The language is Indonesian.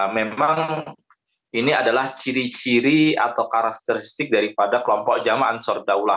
memang ini adalah ciri ciri atau karakteristik daripada kelompok jemaah ansaruddaullah